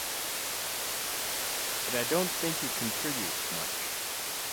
But I don't think it contributes much.